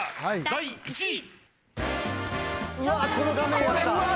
第１位。